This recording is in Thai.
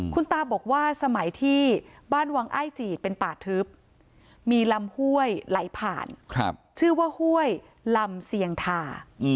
คุณตาบอกว่าสมัยที่บ้านวังอ้ายจีดเป็นป่าทึบมีลำห้วยไหลผ่านชื่อว่าห้วยลำเสียงทา